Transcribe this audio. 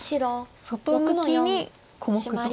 外向きに小目と。